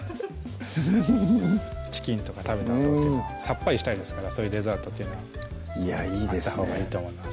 フフフッチキンとか食べたあとというのはさっぱりしたいですからそういうデザートっていうのはあったほうがいいと思います